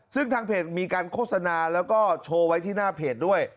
ซึ่งทางเพจมีการโฆษณาแล้วก็โชว์ไว้ที่หน้าเพจด้วย